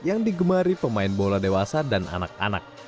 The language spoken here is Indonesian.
yang digemari pemain bola dewasa dan anak anak